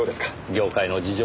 業界の事情